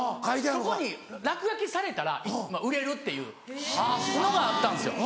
そこに落書きされたら売れるっていうのがあったんですよ。